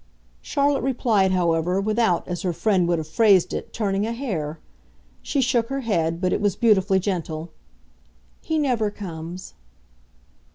Charlotte replied, however, without, as her friend would have phrased it, turning a hair. She shook her head, but it was beautifully gentle. "He never comes."